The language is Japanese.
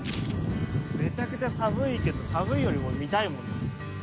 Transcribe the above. めちゃくちゃ寒いけど寒いよりも見たいもん。